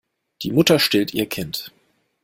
Die Mutter stillt ihr Kind.